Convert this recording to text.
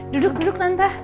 duduk duduk tante